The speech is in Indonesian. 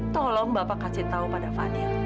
tolong bapak kasih tahu pada fadil